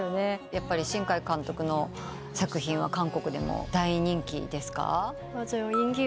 やっぱり新海監督の作品は韓国でも大人気ですか？